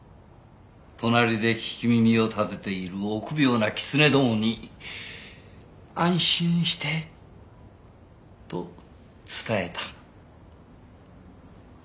隣で聞き耳を立てている臆病なキツネどもに「安心して」と伝えた？